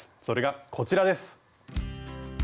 それがこちらです。